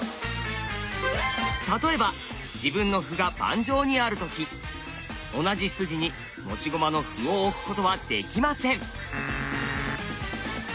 例えば自分の歩が盤上にある時同じ筋に持ち駒の歩を置くことはできません。